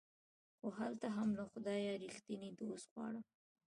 خو هلته هم له خدايه ريښتيني دوست غواړم